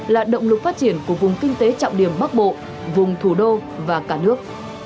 là động lực phát triển của vùng kinh tế trọng điểm bắc bộ vùng thủ đô và cả nước